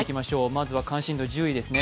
まずは関心度１０位ですね。